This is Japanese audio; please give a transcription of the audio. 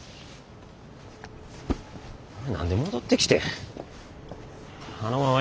お前何で戻ってきてん？